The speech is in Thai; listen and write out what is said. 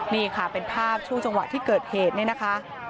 นี่ค่ะเป็นภาพช่วงจังหวะที่เกิดเหตุเนี่ยนะคะ